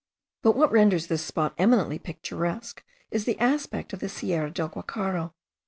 But what renders this spot eminently picturesque, is the aspect of the Sierra del Guacharo.